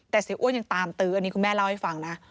แต่เสียอ้วนยังตามตื้ออันนี้คุณแม่เล่าให้ฟังนะ